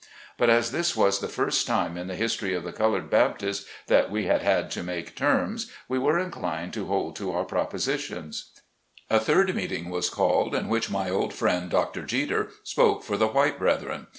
But as this was the first time in the history of the colored Baptists that we had had to make terms we were inclined to hold to our propositions. 96 SLAVE CABIN TO PULPIT. A third meeting was called, in which my old friend, Dr. Jeter, spoke for the white brethren.